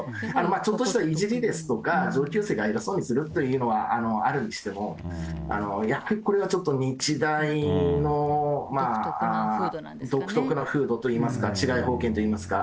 ちょっとしたいじりですとか、上級生が偉そうにするというのは、あるにしても、やっぱりこれはちょっと日大の独特な風土といいますか、治外法権といいますか。